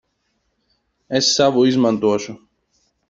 Es savu izmantošu.